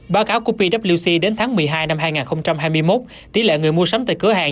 báo cáo của pwc đến tháng một mươi hai năm hai nghìn hai mươi một tỷ lệ người mua sắm tại cửa hàng